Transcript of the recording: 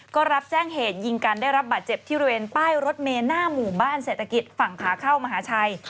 ก็รับแจ้งเหตุยิงกันได้รับบาดเจ็บที่บริเวณป้ายรถเมลหน้าหมู่บ้านเศรษฐกิจฝั่งขาเข้ามหาชัย